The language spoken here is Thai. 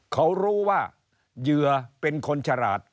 เขารู้ว่าเหยื่อเป็นคนฉลาด